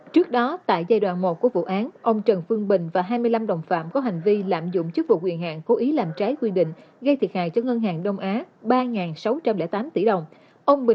trước đó tại giai đoạn một của vụ án ông trần phương bình và hai mươi năm đồng phạm có hành vi lạm dụng chức vụ quyền hạn cố ý làm trái quy định gây thiệt hại cho ngân hàng đông á ba sáu trăm linh tám tỷ đồng